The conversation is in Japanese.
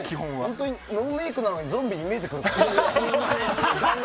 本当にノーメイクなのにゾンビに見えてくる！